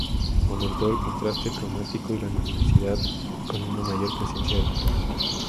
Aumentó el contraste cromático y la luminosidad con una mayor presencia del color.